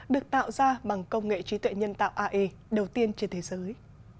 được tạo ra bằng công nghệ trí tuệ nhân tạo ai đầu tiên trên thế giới